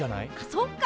そっか！